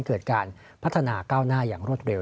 เกิดการพัฒนาก้าวหน้าอย่างรวดเร็